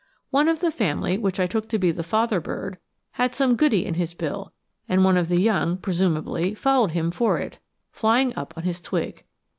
One of the family, which I took to be the father bird, had some goody in his bill, and one of the young, presumably, followed him for it, flying up on his twig.